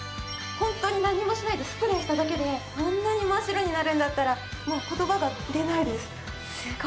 ホントに何もしないでスプレーしただけでこんなに真っ白になるんだったらもう言葉が出ないです。